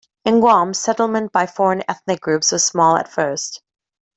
In Guam, settlement by foreign ethnic groups was small at first.